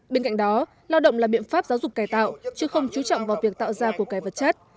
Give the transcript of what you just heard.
bên cạnh đó lao động là biện pháp giáo dục cài tạo chứ không chú trọng vào việc tạo ra của cải vật chất